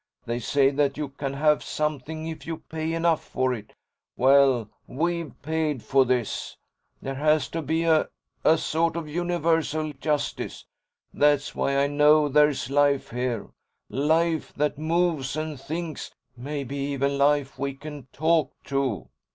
They say that you can have something if you pay enough for it. Well, we've paid for this. There has to be a—a sort of universal justice. That's why I know there's life here, life that moves and thinks—maybe even life we can talk to."